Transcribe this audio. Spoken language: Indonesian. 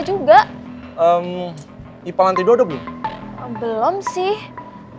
puntuan tidak terlihat